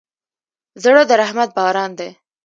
زړه د رحمت باران دی.